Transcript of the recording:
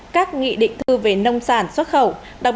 các nghị định thư về nông sản xuất khẩu